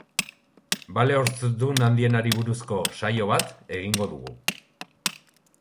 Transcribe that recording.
Bale horzdun handienari buruzko saio bat egingo dugu.